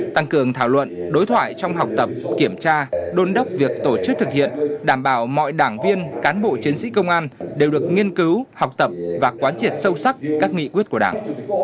tăng cường thảo luận đối thoại trong học tập kiểm tra đôn đốc việc tổ chức thực hiện đảm bảo mọi đảng viên cán bộ chiến sĩ công an đều được nghiên cứu học tập và quán triệt sâu sắc các nghị quyết của đảng